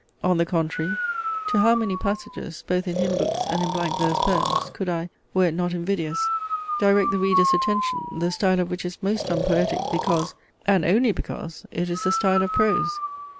On the contrary to how many passages, both in hymn books and in blank verse poems, could I, (were it not invidious), direct the reader's attention, the style of which is most unpoetic, because, and only because, it is the style of prose?